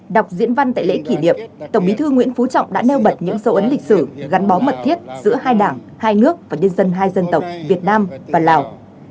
đọc diễn văn tại lễ kỷ niệm tổng bí thư nguyễn phú trọng đã nêu bật những dấu ấn lịch sử gắn bó mật thiết giữa hai đảng hai nước và nhân dân hai dân tộc việt nam và lào